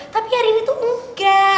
tapi hari ini tuh enggak